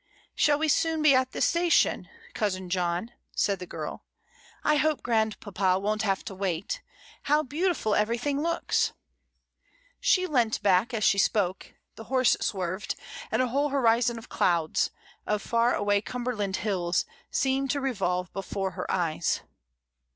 "Shall we soon be at the station, cousin John?" said the girl. "I hope grandpapa won't have to wait How beautiful everything looks." She leant back as she spoke, the horse swerved, 26 MRS. DYMOND. and a whole horizon of clouds, of far away Cumber land hills, seemed to revolve before her eyes.